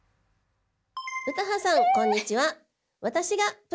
詩羽さんこんにちは。